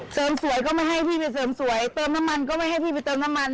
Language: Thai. สวยก็ไม่ให้พี่ไปเสริมสวยเติมน้ำมันก็ไม่ให้พี่ไปเติมน้ำมัน